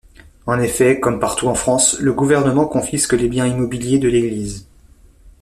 En effet, comme partout en France, le gouvernement confisque les biens immobiliers de l'Église.